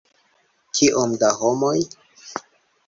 Kiom da homoj!